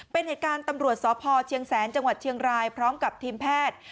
เป็นเหตุการณ์ตำรวจสพเชียงแสนจังหวัดเชียงรายพร้อมกับทีมแพทย์